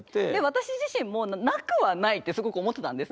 私自身もなくはないってすごく思ってたんですけど。